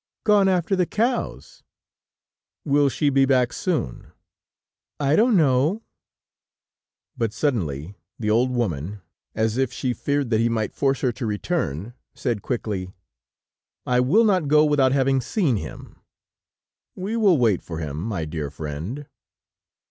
"Gone after the cows." "Will she be back soon?" "I don't know." But suddenly, the old woman, as if she feared that he might force her to return, said quickly: "I will not go without having seen him." "We will wait for him, my dear friend."